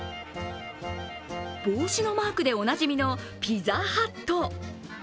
帽子のマークでおなじみのピザハット。